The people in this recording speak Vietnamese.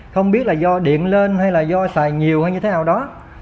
không biết là do điện lên hay là do xài nhiều hay như thế nào đó